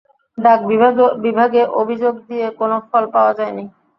ডাক বিভাগে অভিযোগ দিয়ে কোনো ফল পাওয়া যায় না।